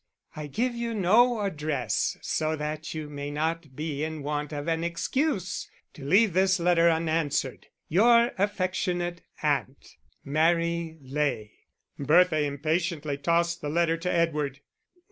_ _I give you no address so that you may not be in want of an excuse to leave this letter unanswered. Your affectionate Aunt_, Mary Ley. Bertha impatiently tossed the letter to Edward.